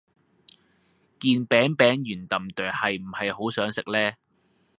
件餅餅圓氹朵係唔係好想食呢